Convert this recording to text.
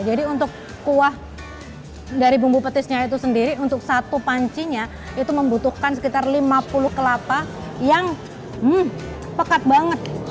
jadi untuk kuah dari bumbu petisnya itu sendiri untuk satu pancinya itu membutuhkan sekitar lima puluh kelapa yang pekat banget